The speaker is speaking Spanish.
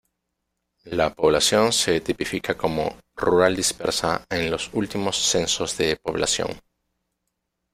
La población se tipifica como "rural dispersa" en los últimos censos de población.